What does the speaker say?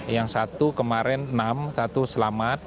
yang satu kemarin enam satu selamat